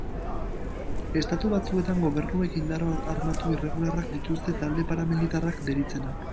Estatu batzuetan gobernuek indar armatu irregularrak dituzte talde paramilitarrak deritzenak.